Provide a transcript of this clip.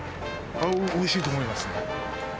おいしいと思いますね。